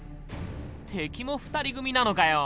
敵も２人組なのかよ。